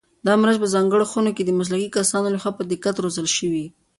دا مرچ په ځانګړو خونو کې د مسلکي کسانو لخوا په دقت روزل شوي.